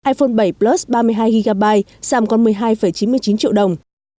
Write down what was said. iphone bảy plus ba mươi hai gb giảm còn một mươi hai chín mươi chín triệu đồng